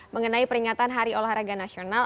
mengenai peringatan hari olahraga nasional